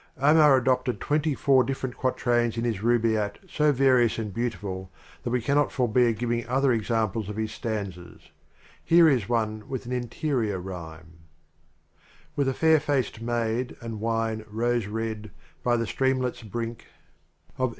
Omar adopted twenty four different quatrains in his Rubaiyat so various and beautiful that we cannot forbear giving other examples of his stan zas i here is one with an interior rhyme : With a fair faced maid and wine rose red, by the Stream let's brink :■ 1